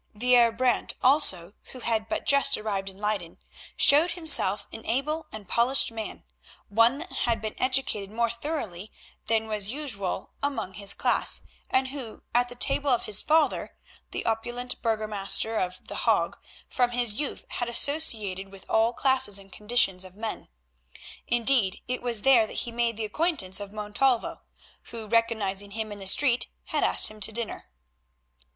The Heer Brant also, who had but just arrived in Leyden, showed himself an able and polished man, one that had been educated more thoroughly than was usual among his class, and who, at the table of his father, the opulent Burgomaster of The Hague, from his youth had associated with all classes and conditions of men. Indeed it was there that he made the acquaintance of Montalvo, who recognising him in the street had asked him to dinner.